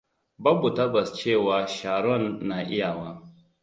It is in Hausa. Babu tabbas cewa Sharon na iyawa.